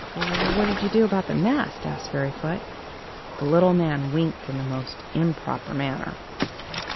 "What did you do about the nest?" asked Fairyfoot. The little man winked in the most improper manner.